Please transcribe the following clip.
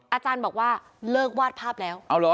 อาจารย์บอกว่าเลิกวาดภาพแล้ว